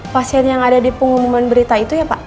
pasien yang ada di pengumuman berita itu ya pak